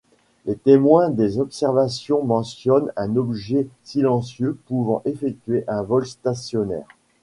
Les témoins des observations mentionnent un objet silencieux pouvant effectuer un vol stationnaire.